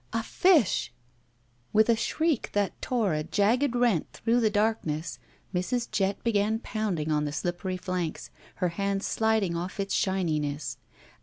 A fish ! With a shriek that tore a jagged rent through the darkness Mrs. Jett began potmding at the slippery flanks, her hands sliding off its shininess.